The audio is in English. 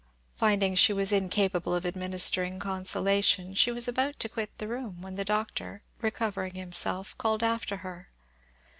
Finding she was incapable of administering consolation, she was about to quit the room, when the Doctor, recovering himself, called after her.